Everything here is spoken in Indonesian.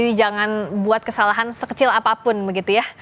jadi jangan buat kesalahan sekecil apapun begitu ya